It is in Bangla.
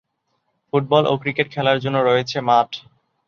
ফুটবল ও ক্রিকেট খেলার জন্য রয়েছে মাঠ।